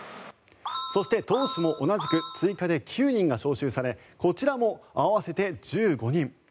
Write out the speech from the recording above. そして、投手も同じく追加で９人が招集されこちらも合わせて１５人。